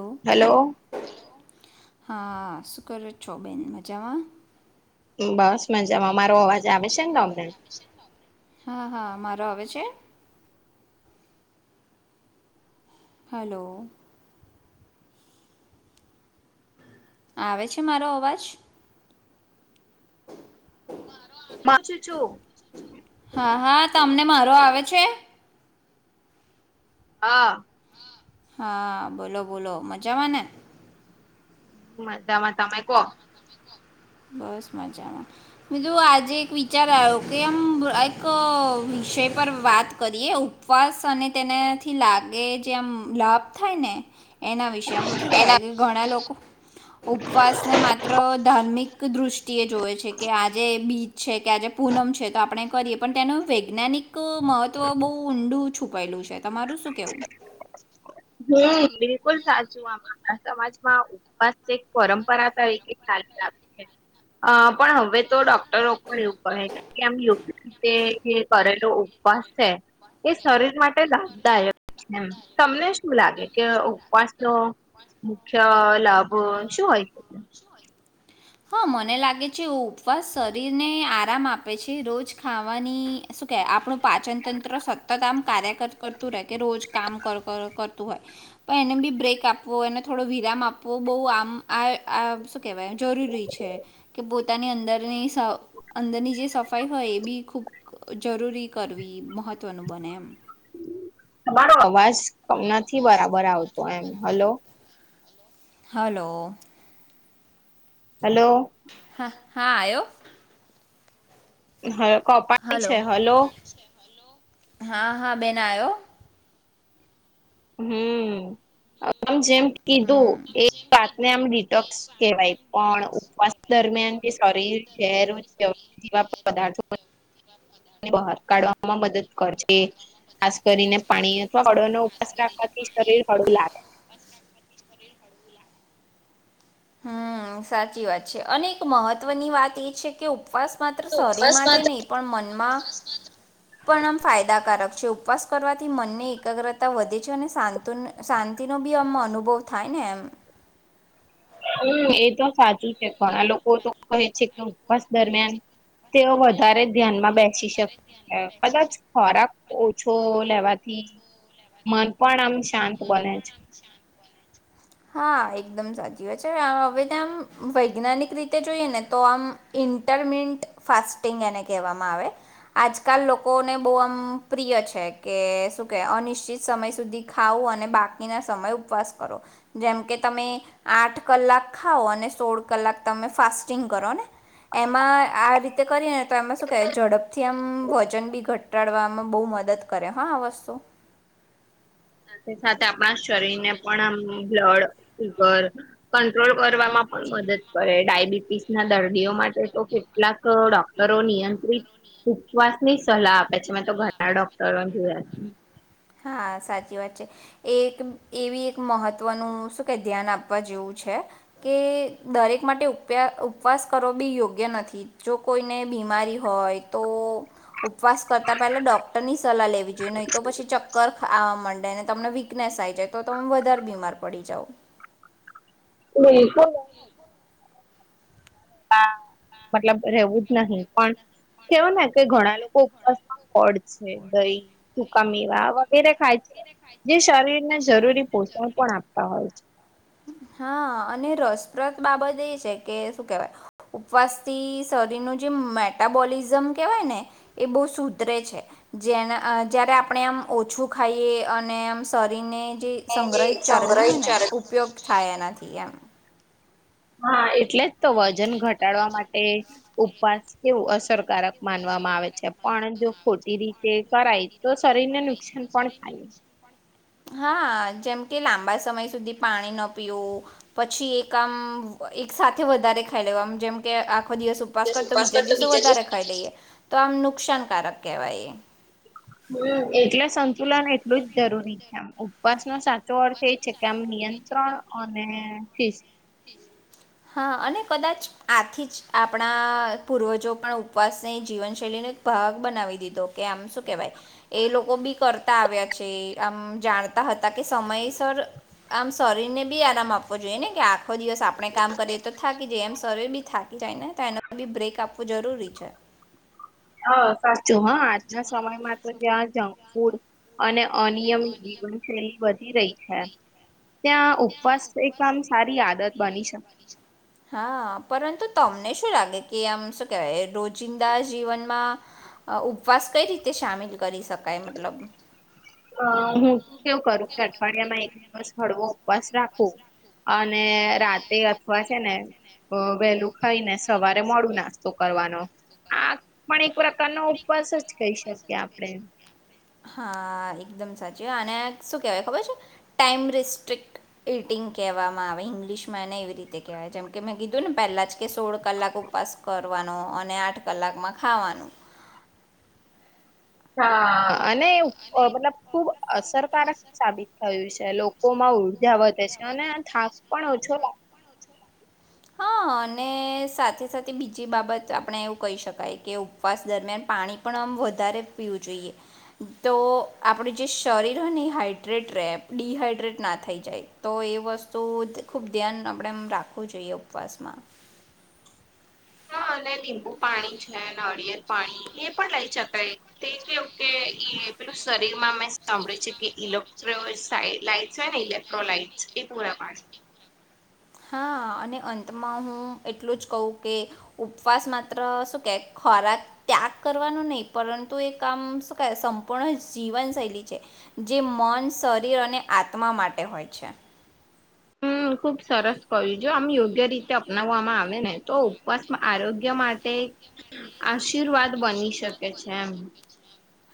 Hello hello હા શું કરો છો બેન મજામાં બસ મજામાં મારો અવાજ આવે છે ને તમને હા હા હલો આવે છે મારો અવાજ [inaudible] હા હા તમને મારો આવે છે હા હા બોલો બોલો મજામાં ને મજામાં તમે કો બસ મજામાં બીજુ આજે એક વિચાર આવ્યો કે આમ એક વિષય પર વાત કરીએ ઉપવાસ અને તેનાથી લાગે જે આમ લાભ થાય ને એના વિશે આમ શું એના કહેવાય કે ઘણા લોકો ઉપવાસને માત્ર ધાર્મિક દૃષ્ટિએ જોવે છે કે આજે બીચ છે કે આજે પૂનમ છે તો આપણે કરીએ પણ તેનો વૈજ્ઞાનિક એક મહત્વ બહુ ઊંડું છુપાયેલું છે તમારું શું કેવું હમ બિલકુલ સાચું આમ આપણા સમાજમાં ઉપવાસ એક પરંપરા તરીકે પણ હવે તો ડોક્ટરો પણ એવું કહે છે આમ ગ તે એ કરેલો ઉપવાસ છે એ શરીર માટે લાભદાયક છે એમ તમને શું લાગે કે ઉપવાસ નો મુખ્ય લાભ શું હોય છે હા મને લાગે છે ઉપવાસ શરીરને આરામ આપે છે રોજ ખાવાની શું કે આપણું પાચન તંત્ર સતત આમ કાર્ય કરતું રહેે કે રોજ કામ કરતું હોય પણ એને બી બ્રેક આપવો એને થોડો વિરામ આપવો બહુ આમ આ શું કેહેવાય જરૂરી છે કે પોતાની અંદરની અંદરની જે સફાઈ હોય એ બી ખૂબ જરૂરી કરવી મહત્ત્વનું બને એમ તમારો અવાજ નથી બરાબર આવતો એમ હલો હલો હેલો હા હા આવ્યો હ કપાય છે હલો હા હા બેન આવ્યો હમ આમ જેમ કીધું હમ. એ વાતને આમ ડિટોક્સ કહેવાય પણ ઉપવાસ દરમિયાન જે શરીરેરવ જેવા પદાર્થો બહાર કાઢવામાં મદદ કરશે ખાસ કરીને પાણી અથવા ફળોનોો ઉપવાસ રાખવા શરીર પડું લાગ શરીર હડવું લાગે હમ સાચી વાત છે અને એક મહત્વની વાત એ છે કે ઉપવાસ માત્ર શરીર ઉપવાસ માટે માત્ર નહીં પણ મનમાં પણ આમ ફાયદાકારક છે ઉપવાસ કરવાથી મનની એકાગ્રતા વધે છે અને શાંતિ તેનો બી આમમ અનુભવ થાય ને એમ હમ એ તો સાચું છે ઘણા લોકો તો કહે છે કે ઉપવાસ દરમિયાન તેઓ વધારે ધ્યાનમાં બેસી શકે છે કદાચ ખોરાક ઓછો લેવાથી મન પણ આમ શાંત બને છે લે હા એકદમ સાચી હોત છે હવે ત્યાં આમ વૈજ્ઞાનિક રીતે જોઈએ ને તો આમ ઇન્ટરમિટ ફાસ્ટિંગ એને કહેવામાં આવે આજકાલ લોકોને બહુ આમ પ્રિય છે કે શું કે અનિશ્ચિત સમય સુધી ખાવું અને બાકીના સમય ઉપવાસ કરો જેમકે તમે આઠ કલાક ખાઓ અને સોળ કલાક તમે ફાસ્ટિંગ કરો ને એમાં આ રીતે કરીએ ને તો એમાં શું કે ઝડપથી આમ વજન બી ઘટાડવામાં બહ મ મદદ કરે હા વસ્ુ સાથે સાથે આપણા શરીર ને પણ બ્લડ સુુગર કંટ્રોલ કરવામાં પણ મદદ કરે ડાયાબિટીસ ના દર્દીઓ માટે તો કેટલાક ડોક્ટરો નિયંત્રિત ઉપવાસ ની સલાહ આપે છે મેં તો ઘણા ડોક્ટરો જોયા છે હા સાચી વાત છે એક એવી એક મહત્વનું શું કે ધ્યાન આપવા જેવું છે કે દરેક માટે ઉપવાસ કરવો બી યોગ્ય નથી જો કોઈને ય તો ઉપવાસ કરતા પેલા ડોક્ટરની સલાહ લેવી જોઈએ નહી તો પછ માં તમને વીકનેસ જાય તો તમે વધારે બીમાર પડી જાવ બિલકુલ મતલબ રહેવું જ નહીિ પણ કેવાો ને કે ઘણા લોકો ઉપવાસમાં પડ છે દહી સુકામેવા વગેરે ખાય છે જે શરીરને જરૂરી પોષણ પણ આપતા હોય છે હા અને રસપ્રદ બાબત એ છે કે શું કેવાય ઉપવાસ થી શરીર ન મેટાબોલ એક્ઝામ કેવાયને એ બો સુધરે છે જે જ્યારે આપણે એમ ઓછું ખાઈએ અને આમ શરીરને જે જે સંગ્રહિત ચરબી સંગ્રહિત હોય ને ઉપયોગ ના થયામ હા એટલે જ તો વજન ઘટાડવા માટે ઉપવાસ કેવું અસરકારક માનવામાં આવે છે પણ જો ખોટી રીતે કરાય તો શરીરને નુકસાન પણ થાય હા જેમ કે લાંબા સમય સુધી પાણી ન પીવું પછી એક આમ એક સાથે વધારે ખાઈ લેવામ જેમ કે આખો દિવસ ઉપવાસ કર તો બીજા દિવસો વધારે ખાઈ દઈએ તો આમ નુકસાનકારક કહેવાય એટલે સંતુલન એટલું જ જરૂરી છે આમ ઉપવાસનોો સાચો અર્થ એ છે કે આમ નિયંત્રણ અને શિસ્ -હ હા અને કદાચ આથી જ આપણા પૂર્વજો પણ ઉપવાસને જીવનશૈલીને ભાગ બનાવી દીધો કે આમ શું કેવાય એ લોકો બી કરતા આવ્યા છે આમ જાણ સમયસર આમ શરીરને બી આરામ આપવો જોઈએને કે આખો દિવસ આપણે કામ કરીએ તો થાકી જાય એમ સર્વે બી થાકી જાય ને તો એનો બી બ્રેક આપવું જરૂરી છે હ સાચું હા આજના સમયમાં તો જ્યાં જંક ફૂડ અને અનિયમિત જીવનશૈલી વધી રહી છે ત્યાં ઉપવાસ એક આમ સારી આદત બની શકે હા પરંતુ તમને શું લાગે કે આમ શું કેહેવાય રોજિંદા જીવનમાં અ ઉપવાસ કઈ રીતે સામેલ કરી શકાય મતલબ અ હું તું કેવું કરું કે અઠવાડિયામાં એક દિવસ હળવો ઉપવાસ રાખું અને રાતે અથવા છે ને વહેલું ખાઈ ને સવારે મોડું નાસ્તો કરવાનો આ પણ એક પ્રકારનોો ઉપવાસ જ કહી શકીએ આપણે હા એકદમ સાચી અને શું કહેવાય ખબર છે ટાઈમ રિસ્ટ્રિક્ટ એટિંગ કહેવામાં આવે ઇંગ્લિશમાં એને એવી રીતે કહેવાય જેમ કે મેં કીધું ને પહેલા જ કે સોળ કલાક ઉપવાસ કરો અને આઠ કલાકમાં ખાવાનું હા અને મતલબ ખુબ અસરકારક સાબિત થયું છે લોકોમાં ઉર્જા વધ છે અને થાક પણ ઓછો લાગે હા અને સાથે સાથે બીજી બાબત આપણે એવું કહી શકાય કે ઉપવાસ દરમિયાન પાણી પણ વધ પીું જોઈએ તો આપડ જે શરીર હોય ને હાઈડ્રેટ ર ડડીહાઈડ્રેટ ના થઈ જાય તો એ વસ્તુ ખૂબ ધ્યાન આપણે એમ રાખવું જોઈએ પાસમાં હા મ લીંબુ પાણી છે અળિયેળ પાણી એ પણ લઈ જતાય તે કેવું કે પેલું શરીર માં મેં સાંભળ્યું છે કે ઇલેક્ટ્રો લટ હોય ને ઇલેક્ટ્રોલાઈટ એ પુરા [inaudible] હા અને અંતમાં હું એટલું જ કહું કે ઉપવાસ માત્ર શું કેક ખોરાક ત્યાગ કરવાનું નહીં પરંતુ એ કામ શું કહે સંપૂર્ણ જીવનશૈલી છે જે મન શરીર અને આત્મા માટે હોય છે હમ ખુબ સરસ કહ્યું જો આમ યોગ્ય રીતે અપનાવવામાં આવે ને તો ઉપવાસમાં આરોગ્ય માટે આશીર્વાદ બની શકે છે એમ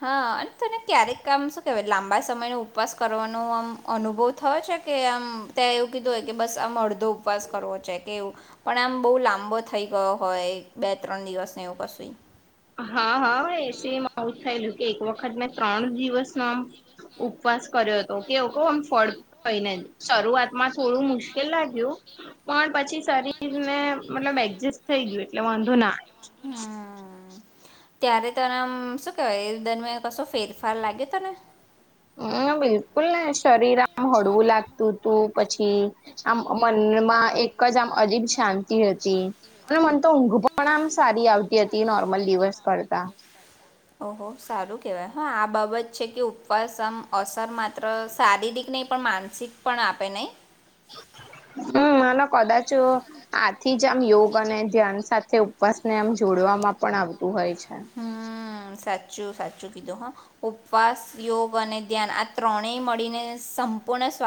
હા અને તને ક્યારેક આમ શું કેવાય લાંબા સમયનો ઉપવાસ કરવાનો આમ અનુભવ થયો છે આમ ત્યાં એવું કીધું હોય કે બસ આમ અડધો ઉપવાસ કરવો છે કે એવું પણ આમ બહુ લાંબો થઈ ગયો હોય બે ત્રણ દિવસને એવું કશું હા હા એસીમાં આવું જ થયેલું કે એક વખત મેં ત્રણ દિવસ ના આમ ઉપવાસ કર્યો હતો કેવ કહ આમ ફળ થઈને શરૂઆત માં થોડું મુશ્કેલ લાગ્યું પણ પછી શરીર ને મતલબ એડજસ્ટ થઈ ગયું એટલે વાંધો ના હ ત્યારે તનેમ શું કેવાય દરમિયાન કશો ફેરફાર લાગે તને હમ્મ બિલકુલ નસ શરીર આમ હળવું લાગતું તું પછી આમ મનમાં એક જ આમ અજીબ શાંતિ હતી અને મન તો ઊંઘ પણ આમ સારી આવતી હતી નોર્મલી દિવસ કરતા ઓહો સારું કેવાય હા આ બાબત છે કે ઉપવાસ આમ અસર માત્ર શારીરિક નહી પણ માનસિક પણ આપે નહી હમ્મ અને કદાચ આથી જ આમ યોગ અને ધ્યાન સાથે ઉપવાસ ને આમ જોડ ખોડવામાં પણ આવતું હોય છે હમ સાચું સાચું કીધું હા ઉપવાસ યોગ અને ધ્યાન આ ત્રણે મળીને સંપૂર્ણ સ્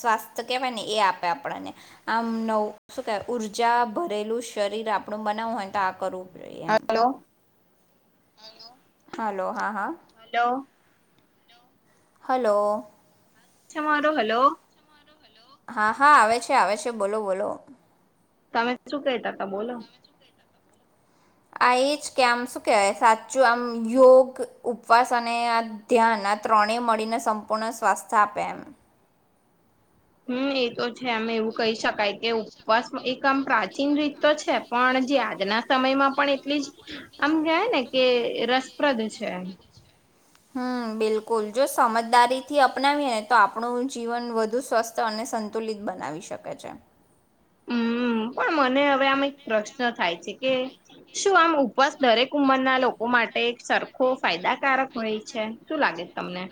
સ્વાસ્થ્ય કહેવાય ને એ આપે આપણને આમ નવ શું કહેવાય ઉર્જા ભરેલું શરીર આપણું બનાવું હોય તો આ કરવું હ હલો હાલ હલો હા હા હલો હલો મારો હલો હા હા આવે છે આવે છે બોલો બોલો તમે શું કહેતા હતા બોલો આ એ જ કે આમ શું કેવાય સાચું આમ યોગ ઉપવાસ અને આ ધ્યાન આ ત્રણેય મળીને સંપૂર્ણ સ્વાસ્થ્ય આપે એમ હમ્મ એ તો છે એમ એવું કહી શકાય કે ઉપવાસ એક આમ પ્રાચીન રીત તો છે પણ જે આજના સમયમાં પણ એટલી જ આમ કય ને કે રસપ્રદ છે હમ્મ બિલકુલ જો સમજદારી થી અપનાવીએ ને તો આપણું જીવન વધુ સ્વસ્થ અને સંતુલિત બનાવી શકે છે હમ પણ મને હવે આમ એક પ્રશ્ન થાય છે કે શું આમ ઉપવાસ દરેક ઉંમરના લોકો માટે સરખો ફાયદાકારક હોય છે શું લાગે તમને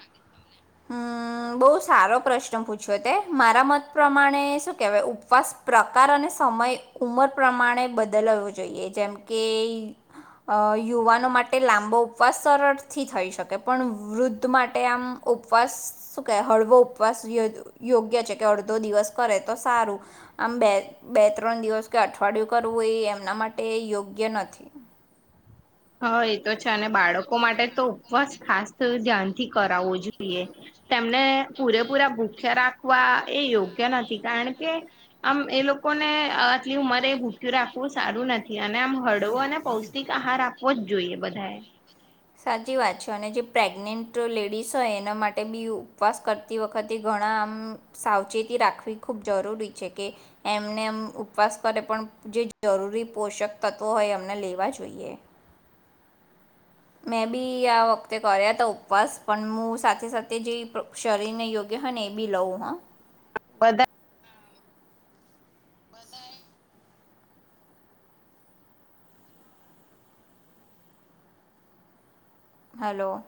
હમ્મ બહુ સારો પ્રશ્ન પૂછ્યો તે મારા મત પ્રમાણે શું કેહેવાય ઉપવાસ પ્રકાર અને સમય ઉમર પ્રમાણે બદલાવું જોઈએ જેમ કે અ યુવાનો માટે લાંબો ઉપવાસ સરળથી થઈ શકે પણ વૃદ્ધ માટે આમ ઉપવાસ શું કે હળવો ઉપવાસ યોગ્ય છે કે અડધો દિવસ કરે તો સારું આમ બે બે ત્રણ દિવસ કે અઠવાડિયું કરવું એ એમના માટે યોગ્ય નથી [inaudible] હા એ તો છે અને બાળકો માટે તો ઉપવાસ ખાસ ધ્યાનથી કરાવવો જોઈએ તેમને પૂરેપૂરા ભૂખ્યા રાખવા એ યોગ્ય નથી કારણ કે આમ એ લોકોને આટલી ઉંમરે એ ભૂક્યું રાખવું સારું સારું નથી અને આમ હળવો અને પૌષ્ટિક આહાર આપવો જ જોઈએ બધાએ સાચી વાત છે અને જે પ્રેગ્નેન્ટ લેડીસ હોય એના માટે બી ઉપવાસ કરતી વખતે ઘણ ઘણા આમ સાવચેતી રાખવી ખૂબ જરૂરી છે કે એમને એમ ઉપવાસ કરે પણ જે જરૂરી પોષક તત્વો હોય અમને લેવા જોઈએ મેં બી આ વખતે કર્યા હતા ઉપવાસ પણ હું સાથે સાથે જે શરીરને યોગ્ય હને એ બી લવ હા બધા હલો